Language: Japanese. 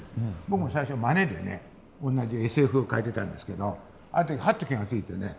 僕も最初まねでね同じＳＦを描いてたんですけどある時ハッと気が付いてね。